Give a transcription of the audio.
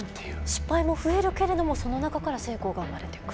失敗も増えるけれどもその中から成功が生まれてくる。